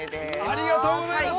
◆ありがとうございます。